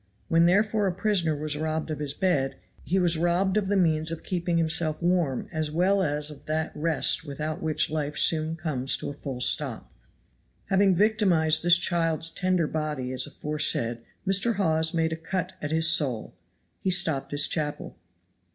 When therefore a prisoner was robbed of his bed, he was robbed of the means of keeping himself warm as well as of that rest without which life soon comes to a full stop. Having victimized this child's tender body as aforesaid Mr. Hawes made a cut at his soul. He stopped his chapel.